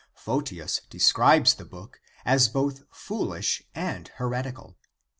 Photius describes the book 2 as both foolish and heretical.